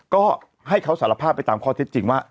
ก็ให้เขาสารภาพไปตามข้อเท็จจริงว่า